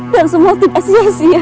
dan semua tidak sia sia